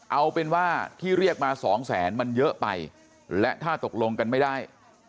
เอาเป็นว่าที่เรียกมาสองแสนมันเยอะไปและถ้าตกลงกันไม่ได้